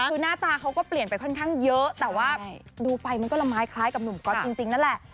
คือหน้าตาเขาก็เปลี่ยนไปค่อนข้างเยอะแต่ว่าดูไปมันก็ละไม้คล้ายกับหนุ่มก๊อตจริงนั่นแหละ